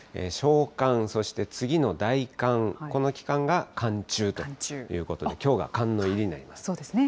小寒、そして次の大寒、この期間が寒中ということで、きょうが寒の入りになります。